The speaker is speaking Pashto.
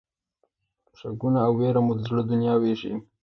شکونه او وېره مو د زړه دنیا وېشي.